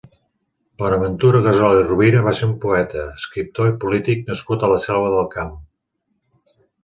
Bonaventura Gassol i Rovira va ser un poeta, escriptor i polític nascut a la Selva del Camp.